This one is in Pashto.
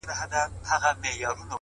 • د بُت له ستوني اورمه آذان څه به کوو؟,